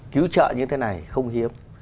cứu trợ như thế này không hiếm